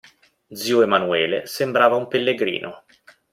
Zio Emanuele sembrava un pellegrino.